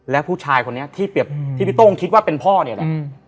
และผู้ชายคนนี้ที่เปรียบที่พี่โต้งคิดว่าเป็นพ่อเนี่ยแหละ